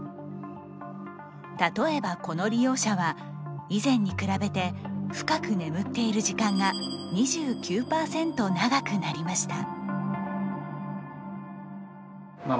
例えばこの利用者は以前に比べて深く眠っている時間が２９％長くなりました。